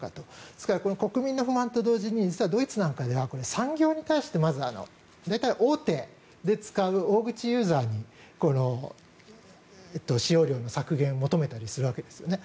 ですから、国民の不満と同時に実はドイツなんかでは産業に対して大体、大手で使う大口ユーザーに使用量の削減を求めたりするわけですよね。